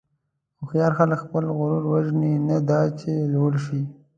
هوښیار خلک خپل غرور وژني، نه دا چې لوړ شي.